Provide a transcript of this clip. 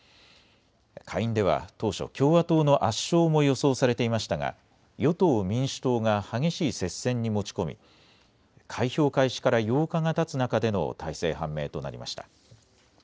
下院では当初、共和党の圧勝も予想されていましたが与党・民主党が激しい接戦に持ち込み開票開始から８日がたつ中での大勢判明となりました。